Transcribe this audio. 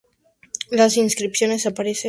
Las inscripciones aparecen en un extremo.